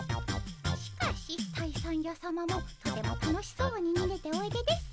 しかし退散やさまもとても楽しそうににげておいでです。